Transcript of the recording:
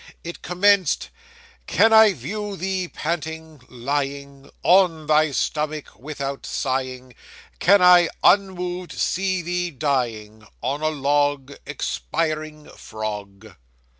It commenced '"Can I view thee panting, lying On thy stomach, without sighing; Can I unmoved see thee dying On a log Expiring frog!"